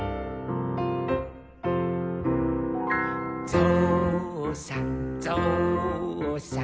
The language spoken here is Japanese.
「ぞうさんぞうさん」